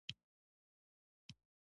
د زړه هره ضربه د ژوند نښه ده.